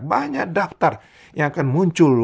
banyak daftar yang akan muncul